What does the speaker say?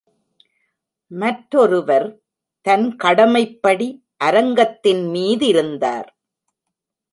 மற்றொருவர், தன் கடமைப்படி, அரங்கத்தின் மீதிருந்தார்.